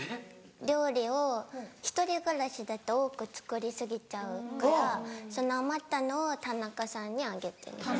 料理を１人暮らしだと多く作り過ぎちゃうからその余ったのをタナカさんにあげてます。